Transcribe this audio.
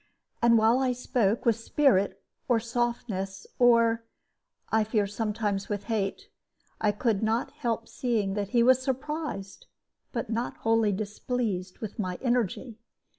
And while I spoke with spirit, or softness, or, I fear, sometimes with hate, I could not help seeing that he was surprised, but not wholly displeased, with my energy.